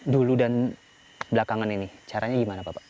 dulu dan belakangan ini caranya gimana bapak